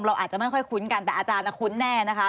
เราอาจจะไม่ค่อยคุ้นกันแต่อาจารย์คุ้นแน่นะคะ